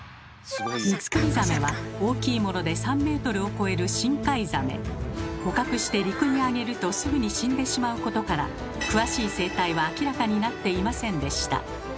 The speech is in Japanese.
ミツクリザメは大きいもので捕獲して陸にあげるとすぐに死んでしまうことから詳しい生態は明らかになっていませんでした。